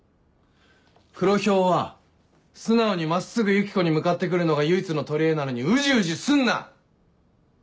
「黒ヒョウは素直に真っすぐユキコに向かって来るのが唯一の取りえなのにうじうじすんな！」。